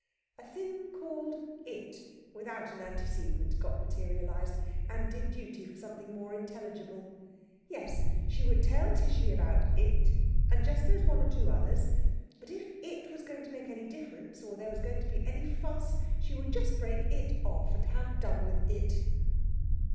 A thing called "it" without an antecedent, got materialised, and did duty for something more intelligible. Yes! she would tell Tishy about It, and just those one or two others. But if It was going to make any difference, or there was to be any fuss, she would just break It off, and have done with It.